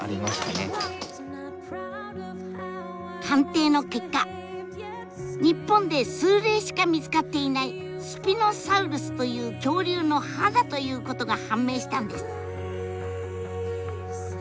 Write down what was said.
鑑定の結果日本で数例しか見つかっていないスピノサウルスという恐竜の歯だということが判明したんです！